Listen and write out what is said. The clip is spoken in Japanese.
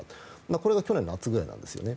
これが去年の夏ぐらいなんですよね。